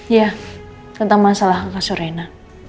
iya tentang masalah kakak surena